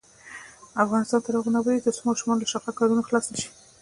افغانستان تر هغو نه ابادیږي، ترڅو ماشومان له شاقه کارونو خلاص نشي.